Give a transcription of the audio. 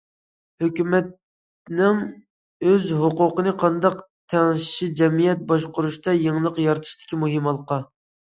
ھۆكۈمەتنىڭ ئۆز ھوقۇقىنى قانداق تەڭشىشى جەمئىيەت باشقۇرۇشتا يېڭىلىق يارىتىشتىكى مۇھىم ھالقا.